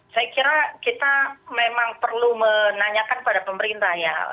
saya kira kita memang perlu menanyakan pada pemerintah ya